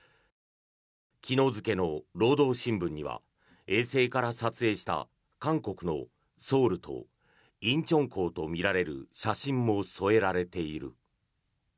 昨日付の労働新聞には衛星から撮影した韓国のソウルと仁川港とみられる写真も添えられている。